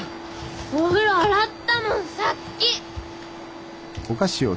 お風呂洗ったもんさっき。